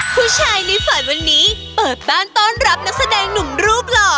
ผู้ชายในฝันวันนี้เปิดบ้านต้อนรับนักแสดงหนุ่มรูปหล่อ